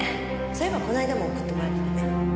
そういえばこの間も送ってもらってたね。